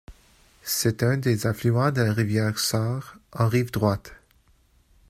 C'est un des affluents de la rivière Sarre, en rive droite.